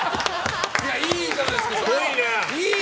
いいじゃないですか！